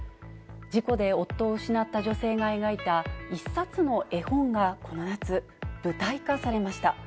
事故で夫を失った女性が描いた一冊の絵本が、この夏、舞台化されました。